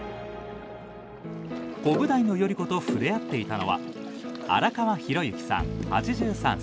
コブダイの頼子と触れ合っていたのは荒川寛幸さん８３歳。